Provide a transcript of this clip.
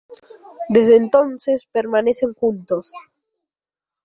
Desde entonces permanecen juntos.